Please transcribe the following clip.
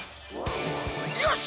よし！